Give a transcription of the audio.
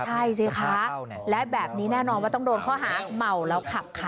ใช่สิคะและแบบนี้แน่นอนว่าต้องโดนข้อหาเมาแล้วขับค่ะ